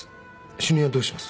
主任はどうします？